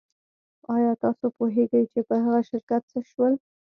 ایا تاسو پوهیږئ چې په هغه شرکت څه شول